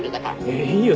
えっいいよ